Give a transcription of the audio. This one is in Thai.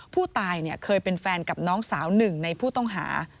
ผู้ตายเคยเป็นแฟนกับน้องสาวหนึ่งในผู้ต้องหา